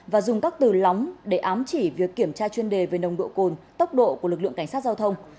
và dùng các từ lóng để ám chỉ việc kiểm tra chuyên đề về nồng độ cồn tốc độ của lực lượng cảnh sát giao thông